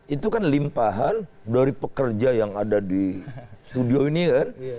itu kan limpahan dari pekerja yang ada di studio ini kan